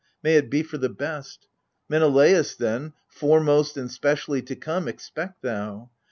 May it be for the best ! Meneleos, then, Foremost and specially to come, expect thou